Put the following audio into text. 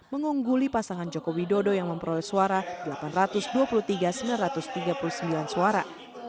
mengungguli pasangan joko widodo yang memperoleh suara delapan ratus dua puluh tiga sembilan ratus tiga puluh sembilan suara